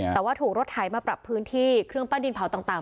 แต่ว่าถูกรถไถมาปรับพื้นที่เครื่องปั้นดินเผาต่าง